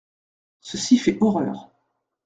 Ceci fait horreur.